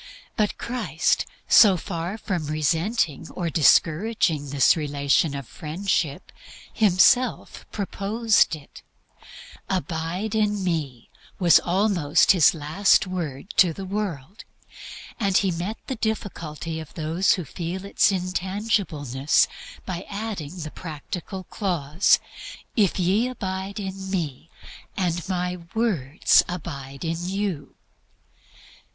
But Christ, so far from resenting or discouraging this relation of Friendship, Himself proposed it. "Abide in me" was almost His last word to the world. And He partly met the difficulty of those who feel its intangibleness by adding the practical clause, "If ye abide in Me, and My words abide in you."